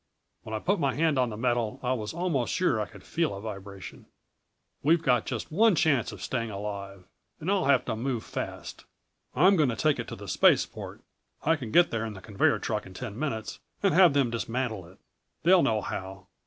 When I put my hand on the metal I was almost sure I could feel a vibration. We've got just one chance of staying alive and I'll have to move fast. I'm going to take it to the Spaceport I can get there in the conveyor truck in ten minutes and have them dismantle it. They'll know how.